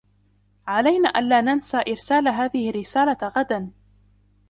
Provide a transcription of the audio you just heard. علينا ألا ننسى إرسال هذه الرسالة غدا.